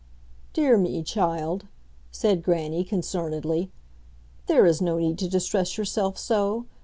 "Dear me, child," said grannie, concernedly, "there is no need to distress yourself so.